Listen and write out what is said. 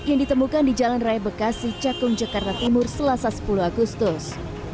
yang ditemukan di jalan raya bekasi cakung jakarta timur selasa sepuluh agustus